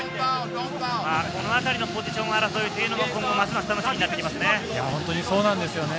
このあたりのポジション争いも今後、ますます楽しみになってきますね。